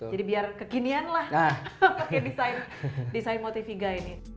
jadi biar kekinian lah pakai desain motiviga ini